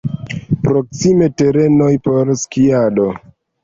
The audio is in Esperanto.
Proksime terenoj por skiado.